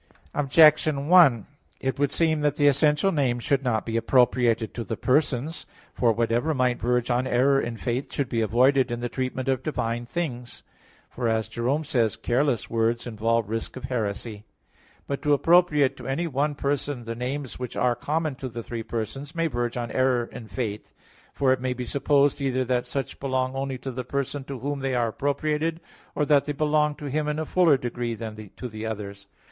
Objection 1: It would seem that the essential names should not be appropriated to the persons. For whatever might verge on error in faith should be avoided in the treatment of divine things; for, as Jerome says, "careless words involve risk of heresy" [*In substance Ep. lvii.]. But to appropriate to any one person the names which are common to the three persons, may verge on error in faith; for it may be supposed either that such belong only to the person to whom they are appropriated or that they belong to Him in a fuller degree than to the others.